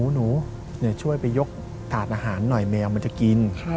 หนูช่วยไปยกถาดอาหารหน่อยแมวมันจะกิน